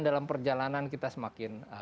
dalam perjalanan kita semakin